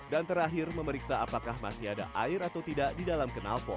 dan terakhir memeriksa apakah masih ada air atau tidak di dalam kenal pot